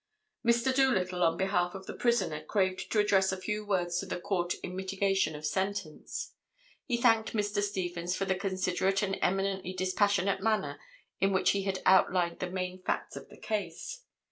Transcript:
"Mr. Doolittle, on behalf of the prisoner, craved to address a few words to the Court in mitigation of sentence. He thanked Mr. Stephens for the considerate and eminently dispassionate manner in which he had outlined the main facts of the case.